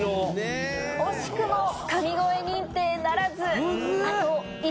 惜しくも神声認定ならず。